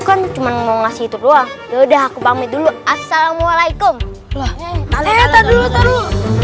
kan cuma mau ngasih itu doang udah aku pamit dulu assalamualaikum lah saya taruh dulu taruh